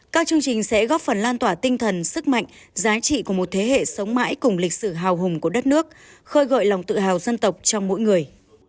các chương trình sẽ góp phần lan tỏa tinh thần sức mạnh giá trị của một thế hệ sống mãi cùng lịch sử hào hùng của đất nước khơi gọi lòng tự hào dân tộc trong mỗi người